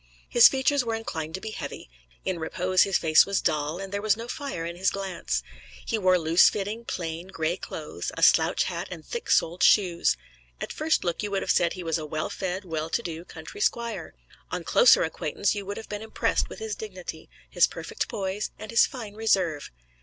His features were inclined to be heavy; in repose his face was dull, and there was no fire in his glance. He wore loose fitting, plain, gray clothes, a slouch hat and thick soled shoes. At first look you would have said he was a well fed, well to do country squire. On closer acquaintance you would have been impressed with his dignity, his perfect poise and his fine reserve.